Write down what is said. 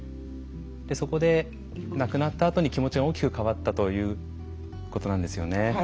そこで亡くなったあとに気持ちが大きく変わったということなんですよね。